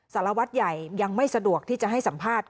สารวัตรใหญ่ยังไม่สะดวกที่จะให้สัมภาษณ์